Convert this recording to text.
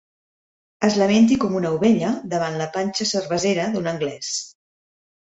Es lamenti com una ovella davant la panxa cervesera d'un anglès.